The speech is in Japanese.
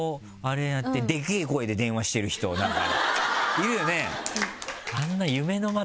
いるよね？